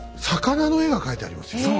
魚の絵が描いてありますよ。